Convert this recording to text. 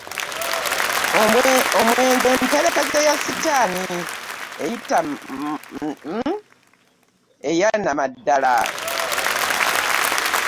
Omwnge mperekeze ya sitaani ey'a nnamaddala .